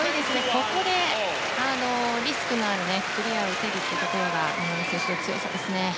ここで、リスクのあるクリアを打てるところが山口選手の強さですね。